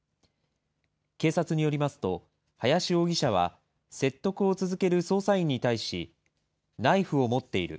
警察によりますと、林容疑者は説得を続ける捜査員に対し、ナイフを持っている。